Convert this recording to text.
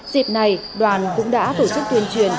dịp này đoàn cũng đã tổ chức tuyên truyền